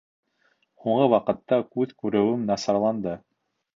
Һуңғы ваҡытта күҙ күреүем насарланды